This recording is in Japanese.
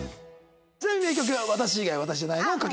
ちなみに曲は『私以外私じゃないの』を。